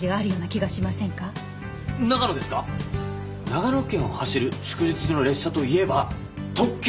長野県を走る祝日の列車といえば特急。